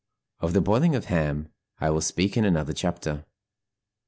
Of the boiling of ham I will speak in another chapter.